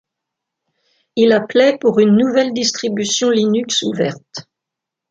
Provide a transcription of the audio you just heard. Il appelait pour une nouvelle distribution Linux ouverte.